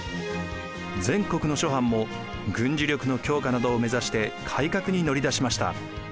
全国の諸藩も軍事力の強化などを目指して改革に乗り出しました。